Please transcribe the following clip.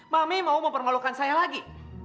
mami mau mempermalukan saya lagi